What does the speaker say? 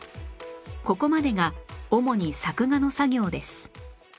ここまでが主に作画の作業です